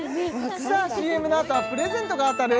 さあＣＭのあとはプレゼントが当たる？